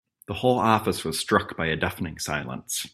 The whole office was struck by a deafening silence.